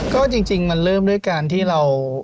ก็จริงมันเริ่มด้วยการที่เรา